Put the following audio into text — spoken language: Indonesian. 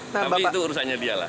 tapi itu urusannya dia lah